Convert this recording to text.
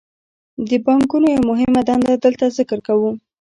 د بانکونو یوه مهمه دنده دلته ذکر کوو